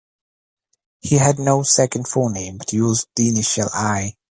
He had no second forename, but used the initial 'I'.